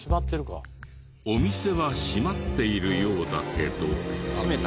お店は閉まっているようだけど。